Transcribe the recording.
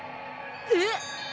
えっ！？